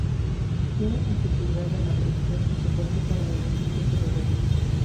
Tiene sensibilidad a la presión y soporte para el Asistente de Google.